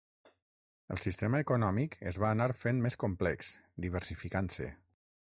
El sistema econòmic es va anar fent més complex, diversificant-se.